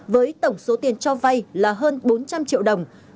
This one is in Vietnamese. với tổng số tiền cho vay là hơn bốn trăm linh triệu đồng